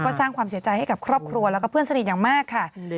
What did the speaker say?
ก็สร้างความเสียใจให้กับครอบครัวแล้วก็เพื่อนสนิทอย่างมากค่ะ